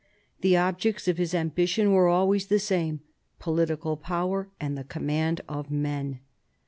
The objects of his ambition were always the same : political power and the command of men.